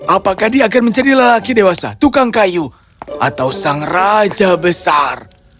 apakah dia akan menjadi lelaki dewasa tukang kayu atau sang raja besar